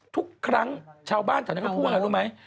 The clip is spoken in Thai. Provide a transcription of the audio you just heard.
ทุกครั้งชาวบ้านเท่านั้นเขาพูดอะไรรู้ไหม